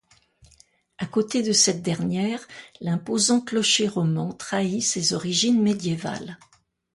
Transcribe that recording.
A côté de cette dernière, l'imposant clocher roman trahit ses origines médiévales.